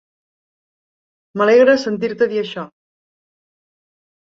M'alegra sentir-te dir això.